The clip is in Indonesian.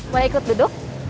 boleh ikut duduk